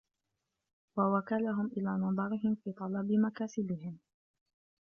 وَوَكَلَهُمْ إلَى نَظَرِهِمْ فِي طَلَبِ مَكَاسِبِهِمْ